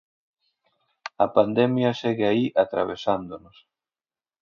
A pandemia segue aí, atravesándonos.